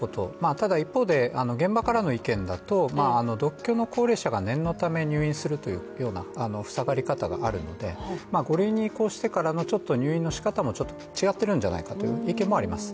ただ一方で、現場からの意見だと独居の高齢者が念のため入院するという下がり方もあるので、５類に移行してからの、入院のしかたもちょっと違ってるんじゃないかという意見もあります。